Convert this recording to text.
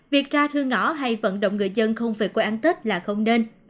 việc ra thư ngõ hay vận động người dân không về quê ăn tết là không nên